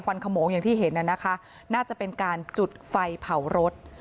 ขโมงอย่างที่เห็นน่ะนะคะน่าจะเป็นการจุดไฟเผารถ